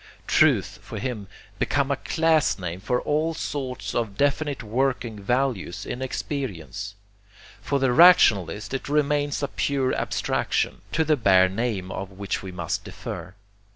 Truth, for him, becomes a class name for all sorts of definite working values in experience. For the rationalist it remains a pure abstraction, to the bare name of which we must defer.